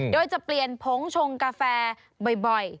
โดยจะเปลี่ยนผงชงกาแฟบ่อย